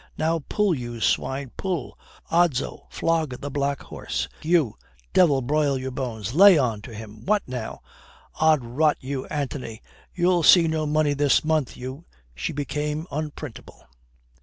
Now pull, you swine, pull. Odso, flog the black horse. You, devil broil your bones, lay on to him. What now? Od rot you, Antony, you'll see no money this month, you " She became unprintable.